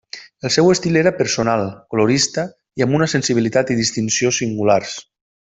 El seu estil era personal, colorista i amb una sensibilitat i distinció singulars.